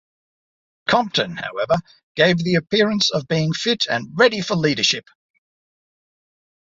Compton, however, gave the appearance of being fit and ready for leadership.